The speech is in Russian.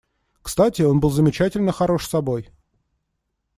Кстати, он был замечательно хорош собой.